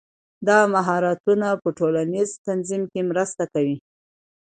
دا مهارتونه په ټولنیز تنظیم کې مرسته کوي.